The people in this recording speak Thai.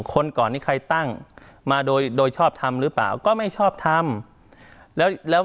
ก่อนนี้ใครตั้งมาโดยชอบทำหรือเปล่าก็ไม่ชอบทำแล้ว